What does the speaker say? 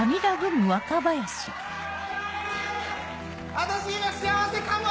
私今幸せかも！